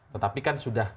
tetapi kan sudah